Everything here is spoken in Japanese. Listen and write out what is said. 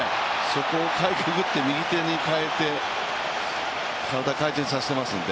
そこをかいくぐって右手に変えて、体回転させてますんで。